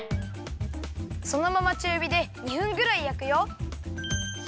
そのままちゅうびで２分ぐらいやくよ。